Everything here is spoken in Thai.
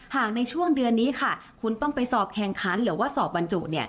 หากในช่วงเดือนนี้ค่ะคุณต้องไปสอบแข่งขันหรือว่าสอบบรรจุ